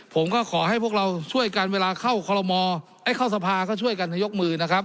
ผมก็ขอให้พวกเราช่วยกันเวลาเข้าคอลโมให้เข้าสภาก็ช่วยกันให้ยกมือนะครับ